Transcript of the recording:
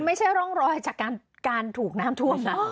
ไม่ใช่ร่องรอยจากการถูกน้ำท่วมนะ